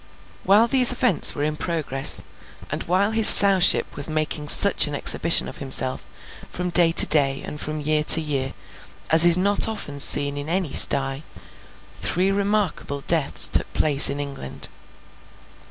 While these events were in progress, and while his Sowship was making such an exhibition of himself, from day to day and from year to year, as is not often seen in any sty, three remarkable deaths took place in England.